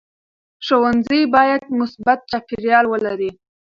ښوونځی باید مثبت چاپېریال ولري.